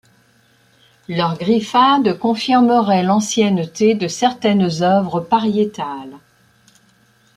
Leurs griffades confirmeraient l'ancienneté de certaines œuvres pariétales.